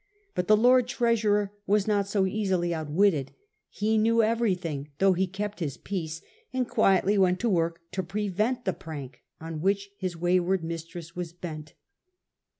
But the Lord Treasurer was not so easily outwitted. He knew every thing, though he held his peace, and quietly went to work to prevent the prank on which his wayward mistress was bent.